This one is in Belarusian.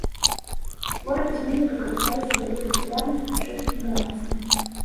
Творы пісьменніка карысталіся вялікай папулярнасцю ў чэшскім грамадстве.